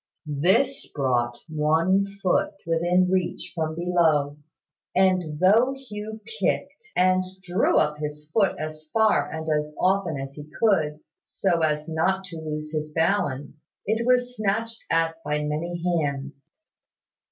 This brought one foot within reach from below; and though Hugh kicked, and drew up his foot as far and as often as he could, so as not to lose his balance, it was snatched at by many hands.